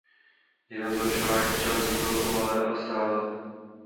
Jeho zlepšování v Chelsea bylo pomalé ale stálé.